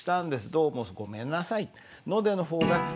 どうもごめんなさい」。